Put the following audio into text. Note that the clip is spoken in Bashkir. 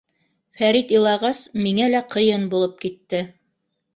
Фәрит илағас, миңә лә ҡыйын булып китте.